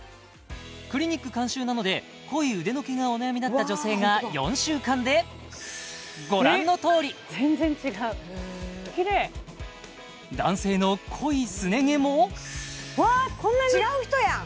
クリニック監修なので濃い腕の毛がお悩みだった女性が４週間でご覧のとおり全然違うキレイ男性の濃いすね毛もわあこんなに違う人やん